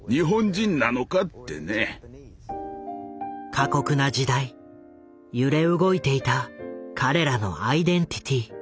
過酷な時代揺れ動いていた彼らのアイデンティティー。